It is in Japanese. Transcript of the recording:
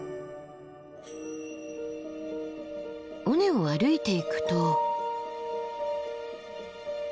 尾根を歩いていくと。